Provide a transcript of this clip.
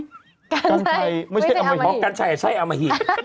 กันชัยไม่ใช่อมหิตมองกันชัยใช่อมหิต